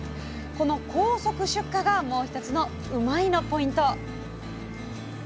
この高速出荷がもう１つのうまいッ！のポイント！